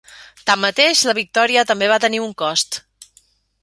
Tanmateix, la victòria també va tenir un cost.